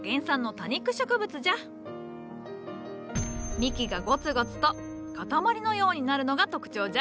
幹がゴツゴツと塊のようになるのが特徴じゃ。